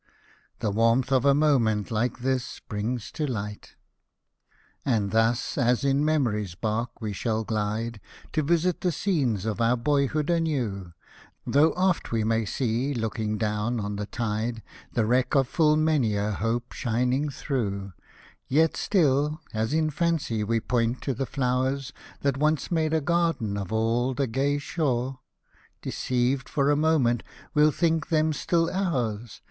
The warmth of a moment like this brings to light. Hosted by Google 42 ' IRISH MELODIES And thus, as in memory's bark we shall glide, To visit the scenes of our boyhood anew, Tho' oft we may see, looking down on the tide. The wreck of full many a hope shining through ; Yet still, as in fancy we point to the flowers, That once made a garden of all the gay shore. Deceived for a moment, we'll think them still ours.